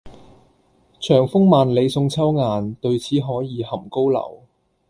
長風萬里送秋雁，對此可以酣高樓。